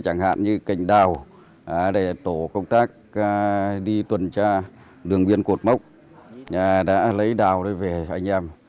chẳng hạn như cành đào để tổ công tác đi tuần tra đường biên cột mốc đã lấy đào về cho anh em